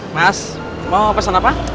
mas mau pesan apa